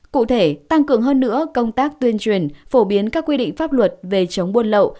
cụ thể tăng cường hơn nữa công tác tuyên truyền phổ biến các quy định pháp luật về chống buôn lậu